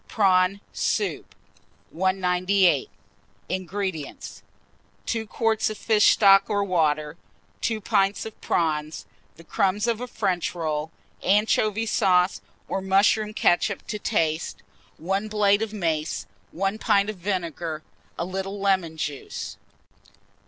PRAWN SOUP. 198. INGREDIENTS. 2 quarts of fish stock or water, 2 pints of prawns, the crumbs of a French roll, anchovy sauce or mushroom ketchup to taste, 1 blade of mace, 1 pint of vinegar, a little lemon juice.